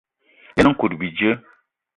Yen nkout bíjé.